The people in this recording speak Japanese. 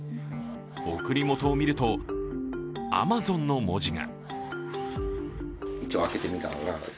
送り元を見ると「アマゾン」の文字が。